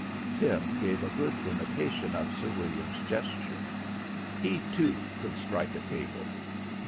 Tim gave a good imitation of Sir William's gesture. He, too, could strike a table.